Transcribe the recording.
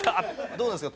どうなんですか？